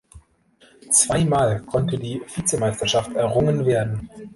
Zweimal konnte die Vizemeisterschaft errungen werden.